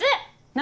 何？